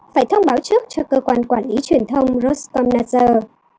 phải thông báo trước cho cơ quan quản lý truyền thông roskomnadzor